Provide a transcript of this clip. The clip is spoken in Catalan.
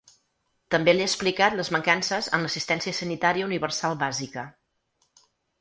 També li ha explicat les mancances en l’assistència sanitària universal bàsica.